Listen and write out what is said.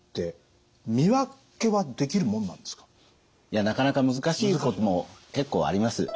いやなかなか難しいことも結構あります。